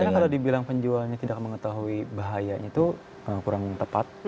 kadang kadang kalau dibilang penjualnya tidak mengetahui bahayanya itu kurang tepat